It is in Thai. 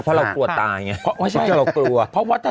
แล้วเพราะเรากลัวตายถ้าเรากลัวเพราะว่า